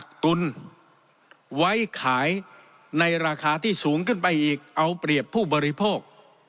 ตุนไว้ขายในราคาที่สูงขึ้นไปอีกเอาเปรียบผู้บริโภค